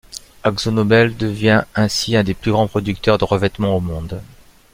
Akzo Nobel devient ainsi un des plus grands producteurs de revêtements au monde.